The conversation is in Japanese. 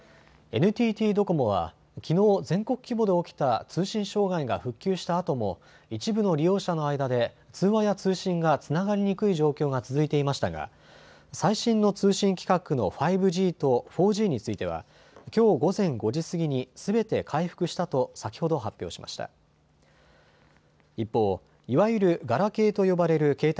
ＮＴＴドコモはきのう全国規模で起きた通信障害が復旧したあとも一部の利用者の間で通話や通信がつながりにくい状況が続いていましたが最新の通信規格の５Ｇと４Ｇについてはきょう午前５時過ぎに、すべて回復したと先ほど発表しました。